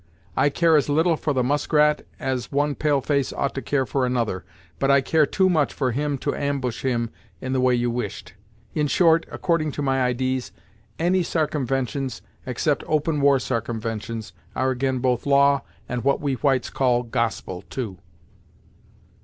I care as little for the Muskrat, as one pale face ought to care for another, but I care too much for him to ambush him in the way you wished. In short, according to my idees, any sarcumventions, except open war sarcumventions, are ag'in both law, and what we whites call 'gospel', too."